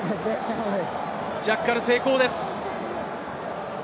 ジャッカル成功です。